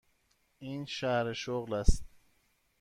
این شرح شغل است.